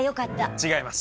違います。